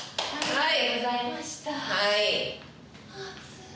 はい。